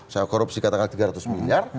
saya korupsi katakan tiga ratus miliar